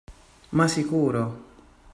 Ma sicuro!